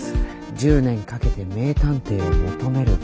１０年かけて名探偵を求めるロマンス。